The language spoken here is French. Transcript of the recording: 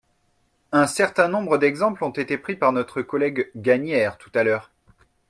Un certain nombre d’exemples ont été pris par notre collègue Gagnaire tout à l’heure.